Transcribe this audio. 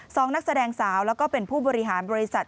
นักแสดงสาวแล้วก็เป็นผู้บริหารบริษัท